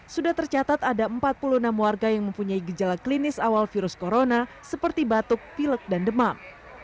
sudah tercatat ada empat puluh enam warga yang mempunyai gejala klinis awal virus corona seperti batuk pilek dan demam